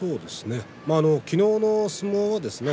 昨日の相撲はですね